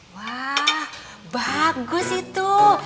wah bagus itu